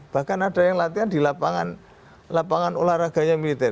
bahkan ada yang latihan di lapangan lapangan olahraganya militer